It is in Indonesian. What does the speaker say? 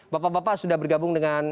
bapak bapak sudah bergabung dengan